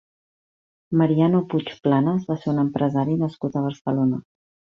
Mariano Puig Planas va ser un empresari nascut a Barcelona.